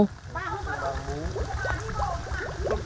trong lễ cầu mưa ngày hôm sau